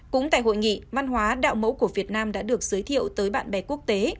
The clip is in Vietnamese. cũng tại hội nghị văn hóa đạo mẫu của việt nam đã được giới thiệu tới bạn bè quốc tế